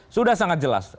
sudah sangat jelas